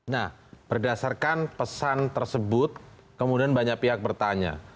nah berdasarkan pesan tersebut kemudian banyak pihak bertanya